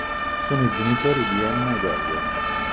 Sono i genitori di Emma ed Elliot.